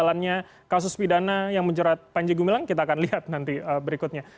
jalannya kasus pidana yang menjerat panji gumilang kita akan lihat nanti berikutnya